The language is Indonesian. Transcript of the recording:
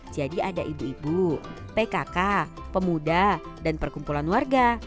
jadi ada ibu ibu pkk pemuda dan perkumpulan warga